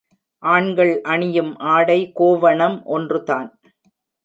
ஆண்கள் அணியும் ஆடை கோவணம் ஒன்றுதான்.